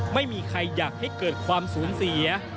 ไม่มีใครอยากให้เกิดความสูญเสีย